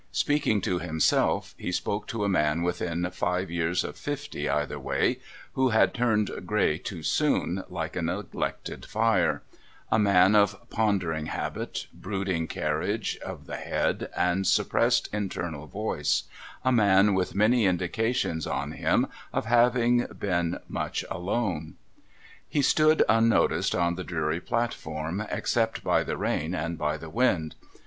Speaking to himself he spoke to a man within five years of fifty either way, who had turned grey too soon, Hke a neglected fire ; a man of pondering haltit, brooding carriage of the head, and suppressed internal voice ; a man with many indications on him of having been much alone. He stood unnoticed on the dreary platform, except by the rain and by the wind.